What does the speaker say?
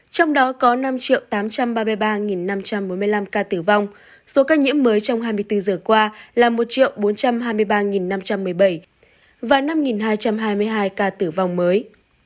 trong đó có năm tám trăm ba mươi ba năm trăm bốn mươi năm ca tử vong số ca nhiễm mới trong hai mươi bốn giờ qua là một bốn trăm hai mươi ba năm trăm một mươi bảy và năm hai trăm hai mươi hai ca tử vong mới